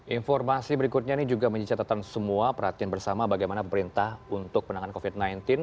informasi berikutnya ini juga menjadi catatan semua perhatian bersama bagaimana pemerintah untuk penanganan covid sembilan belas